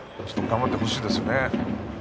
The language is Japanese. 頑張ってほしいですよね。